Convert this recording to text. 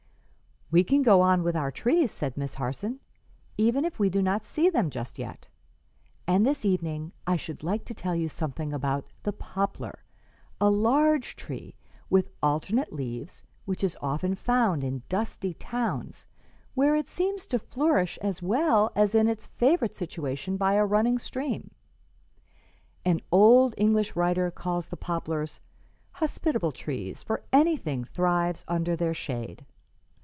"We can go on with our trees," said Miss Harson, "even if we do not see them just yet; and this evening I should like to tell you something about the poplar, a large tree with alternate leaves which is often found in dusty towns, where it seems to flourish as well as in its favorite situation by a running stream. An old English writer calls the poplars 'hospitable trees, for anything thrives under their shade.'